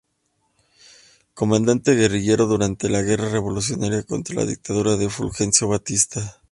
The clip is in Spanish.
Comandante guerrillero durante la guerra revolucionaria contra la dictadura de Fulgencio Batista.